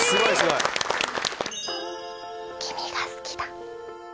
君が好きだ。